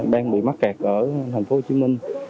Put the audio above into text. đang bị mắc kẹt ở thành phố hồ chí minh